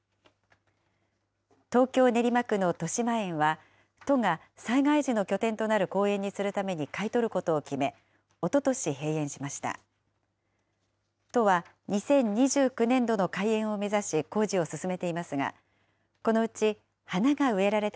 東京・練馬区のとしまえんは、都が災害時の拠点となる公園にするために買い取ることを決め、おととし、閉園しました。